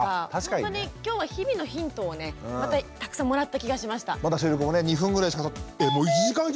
ほんとに今日は日々のヒントをねまたたくさんもらった気がしました。